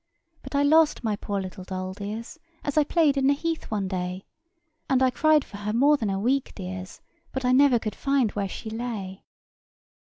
But I lost my poor little doll, dears, As I played in the heath one day; And I cried for her more than a week, dears, But I never could find where she lay.